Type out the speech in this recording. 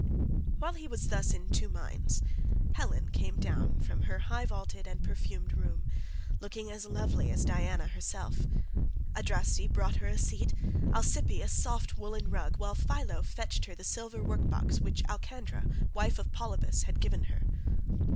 While he was thus in two minds Helen came down from her high vaulted and perfumed room, looking as lovely as Diana herself. Adraste brought her a seat, Alcippe a soft woollen rug while Phylo fetched her the silver work box which Alcandra wife of Polybus had given her.